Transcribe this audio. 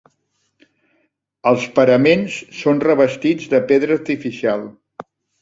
Els paraments són revestits de pedra artificial.